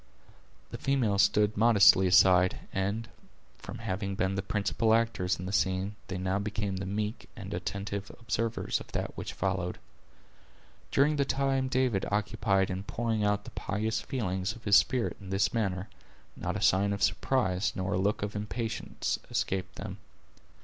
The females stood modestly aside, and, from having been the principal actors in the scene, they now became the meek and attentive observers of that which followed. During the time David occupied in pouring out the pious feelings of his spirit in this manner, not a sign of surprise, nor a look of impatience, escaped them.